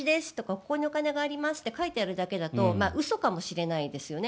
ここにお金がありますって書いてあるだけど嘘かもしれないですよね。